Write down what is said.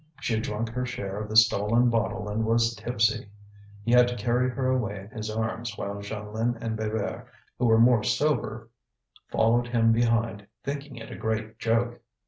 She had drunk her share of the stolen bottle and was tipsy. He had to carry her away in his arms while Jeanlin and Bébert, who were more sober, followed him behind, thinking it a great joke.